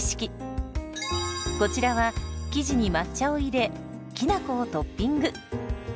こちらは生地に抹茶を入れきなこをトッピング。